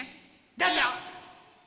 どうぞ！